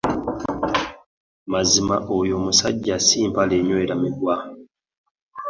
Mazima oyo omusajja ssi mpalenyweranamuguwa.